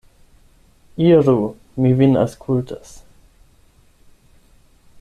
Iru; mi vin aŭskultas.